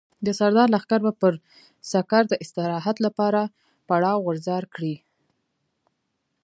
د سردار لښکر به پر سکر د استراحت لپاره پړاو غورځار کړي.